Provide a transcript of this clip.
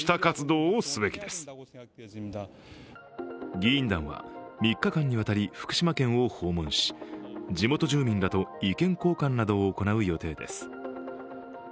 議員団は３日間にわたり福島県を訪問し地元住民らと意見交換などを行う予定です。